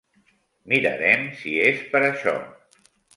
Mirarem si és per això.